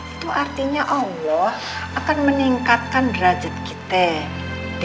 itu artinya allah akan meningkatkan derajat kita di hadapan dia